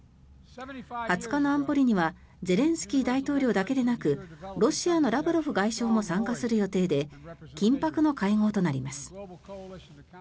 ２０日の安保理にはゼレンスキー大統領だけでなくロシアのラブロフ外相も参加する予定で緊迫の会合となります。